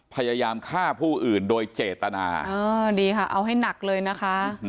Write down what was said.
พยายามฆ่าผู้อื่นโดยเจตนาดีค่ะเอาให้หนักเลยนะคะ